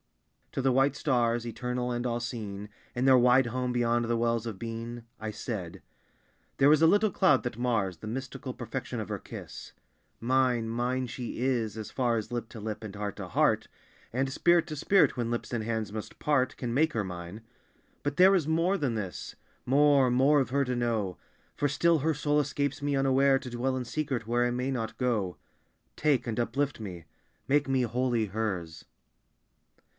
To the white stars, Eternal and all seeing, In their wide home beyond the wells of being, I said "There is a little cloud that mars The mystical perfection of her kiss. Mine, mine, She is, As far as lip to lip, and heart to heart; And spirit to spirit when lips and hands must part, Can make her mine. But there is more than this, More, more of Her to know. For still her soul escapes me unaware, To dwell in secret where I may not go. Take, and uplift me. Make me wholly Hers."